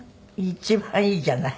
一番いいじゃない。